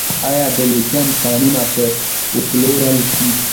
آیا د لیتیم کانونه به وپلورل شي؟